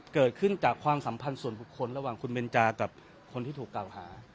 เกิดขึ้นจากความสัมพันธ์ส่วนบุคคลระหว่างคุณเบนจากับคนที่ถูกกล่าวหา